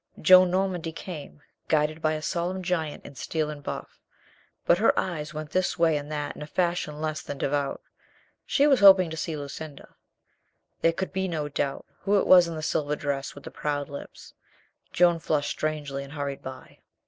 Joan Normandy came, guided by a solemn giant in steel and buff", but her eyes went this way and that in a fashion less than devout. She was hoping to see Lucinda. There could be no doubt who it was in the silver dress with the proud lips. Joan flushed strangely and hurried by.